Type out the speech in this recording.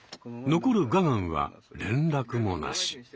残るガガンは連絡もなし。